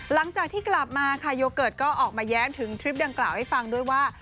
หลังจากที่กลับมาค่ะโยเกิร์ตก็ออกมาแย้มถึงทริปดังกล่าวให้ฟังด้วยว่า